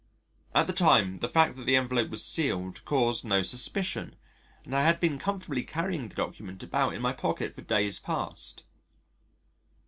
At the time, the fact that the envelope was sealed caused no suspicion and I had been comfortably carrying the document about in my pocket for days past.